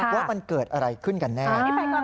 ว่ามันเกิดอะไรขึ้นกันแน่